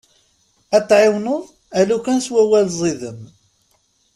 Ad t-tɛiwneḍ alukan s wawal ziden.